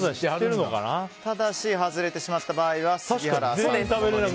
ただし、外れてしまった場合は杉原さんのものに